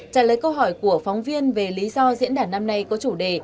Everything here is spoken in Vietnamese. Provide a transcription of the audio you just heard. trả lời câu hỏi của phóng viên về lý do diễn đàn năm nay có chủ đề